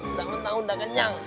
tidak menang tidak kenyang